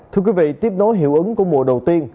thưa quý vị tiếp nối hiệu ứng của mùa đầu tiên